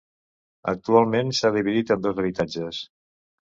Actualment s'ha dividit en dos habitatges.